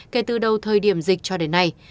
kể từ đầu thời điểm dịch cho đến nay